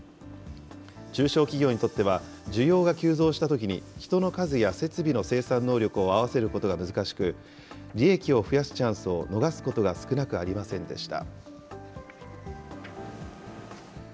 中小企業にとっては、需要が急増したときに、人の数や設備の生産能力を合わせることが難しく、利益を増やすチャンスを逃すことが少なくありませんでした。